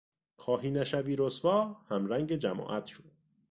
خواهی نشوی رسوا همرنگ جماعت شو